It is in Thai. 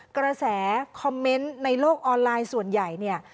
กระแสคอมเมนต์ในโลกออนไลน์ส่วนใหญ่เนี่ย